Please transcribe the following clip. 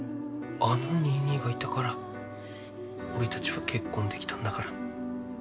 あのニーニーがいたから俺たちは結婚できたんだから。